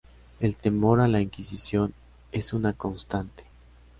El temor a la Inquisición es una constante.